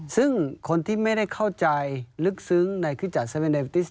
ซึ่งคนที่ไม่ได้เข้าใจลึกซึ้งในคริสัตเวเนวิติส